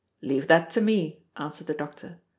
"Leave that to me," answered the doctor.